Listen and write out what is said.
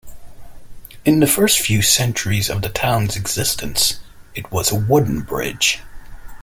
In the first few centuries of the town's existence, it was a wooden bridge.